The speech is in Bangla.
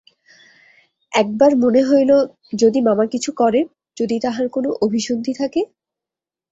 একবার মনে হইল যদি মামা কিছু করেন, যদি তাঁহার কোনো অভিসন্ধি থাকে?